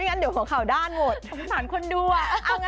งั้นเดี๋ยวหัวข่าวด้านหมดสงสารคนดูอ่ะ